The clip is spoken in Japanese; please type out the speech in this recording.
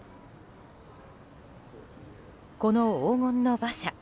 この黄金の馬車。